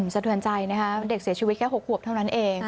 สะเทือนใจนะคะเด็กเสียชีวิตแค่๖ขวบเท่านั้นเอง